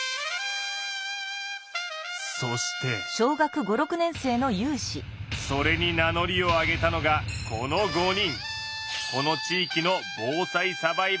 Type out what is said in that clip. そしてそれに名乗りを上げたのがこの５人。